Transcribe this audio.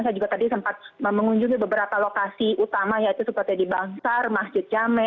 saya juga tadi sempat mengunjungi beberapa lokasi utama yaitu seperti di bangsar masjid jame